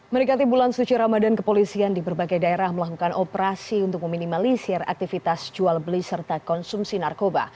mendekati bulan suci ramadan kepolisian di berbagai daerah melakukan operasi untuk meminimalisir aktivitas jual beli serta konsumsi narkoba